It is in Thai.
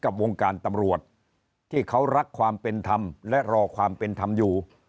กับวงการตำรวจที่เขารักความเป็นธรรมและรอความเป็นธรรมอยู่